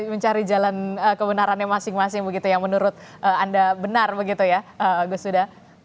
mencari jalan kebenarannya masing masing begitu yang menurut anda benar begitu ya gus huda